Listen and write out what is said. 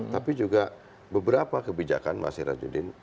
tapi juga beberapa kebijakan mas hira judin